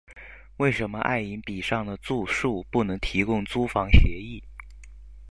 为什么爱迎彼上的住宿不能提供租房协议？